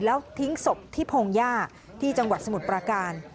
แล้วทิ้งศพที่พงหญ้าที่จังหวัดสมุทรปราการ